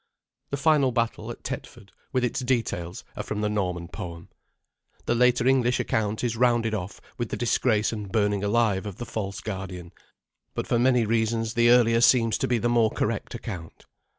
The final battle at Tetford, with its details, are from the Norman poem. The later English account is rounded off with the disgrace and burning alive of the false guardian; but for many reasons the earlier seems to be the more correct account.